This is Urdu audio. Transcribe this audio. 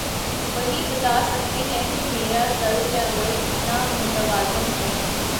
وہی بتا سکتے ہیں کہ میرا طرز عمل کتنا متوازن ہے۔